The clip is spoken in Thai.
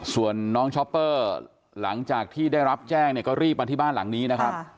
ส่วนน้องช้อปเปอร์หลังจากที่ได้รับแจ้งเนี่ยก็รีบมาที่บ้านหลังนี้นะครับ